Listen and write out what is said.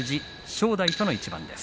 正代との一番です。